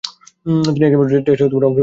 তিনি একটিমাত্র টেস্টে অংশ নিতে পেরেছিলেন।